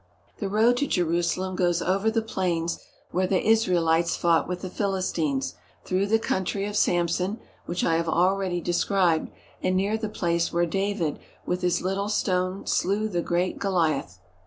The road to Jerusalem goes over the plains where the Israelites fought with the Philistines, through the country of Samson, which I have already described, and near the 245 THE HOLY LAND AND SYRIA place where David with his little stone slew the great Goliath.